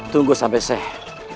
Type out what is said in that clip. tunggu sampai saya